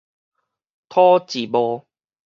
吐舌帽